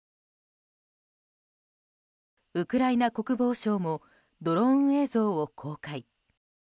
ウクライナ国防省もドローン映像を公開。